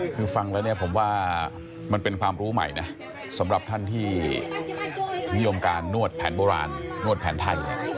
คือฟังแล้วเนี่ยผมว่ามันเป็นความรู้ใหม่นะสำหรับท่านที่นิยมการนวดแผนโบราณนวดแผนไทย